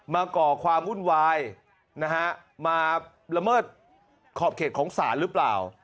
ก่อความวุ่นวายนะฮะมาละเมิดขอบเขตของศาลหรือเปล่า